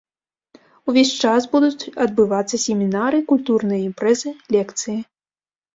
Увесь час будуць адбывацца семінары, культурныя імпрэзы, лекцыі.